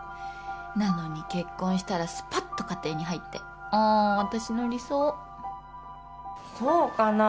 なのに結婚したらスパッと家庭に入ってあ私の理想そうかな